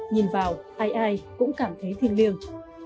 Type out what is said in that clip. nhìn vào ai ai cũng cảm thấy thiên liêng